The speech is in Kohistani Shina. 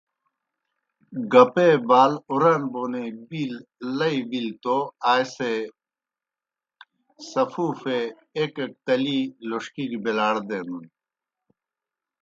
گپے بال اُران بونے بِیل ِلیْ توْ آئے سے سفوفے ایْک ایْک تلی لوݜکی گہ بیلاڑ دینَن۔